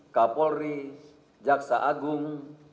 kapolri jaksa agung